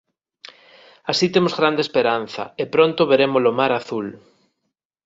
Así temos grande esperanza, e pronto veremos o mar azul.